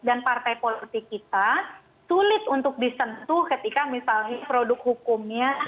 dan partai politik kita sulit untuk disentuh ketika misalnya produk hukumnya